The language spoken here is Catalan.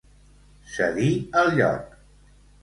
Cedir el lloc.